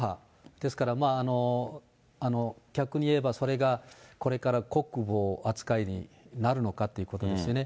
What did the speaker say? ですから、逆に言えば、それがこれから国母扱いになるのかということですよね。